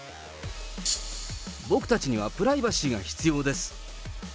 僕たちにはプライバシーが必要です。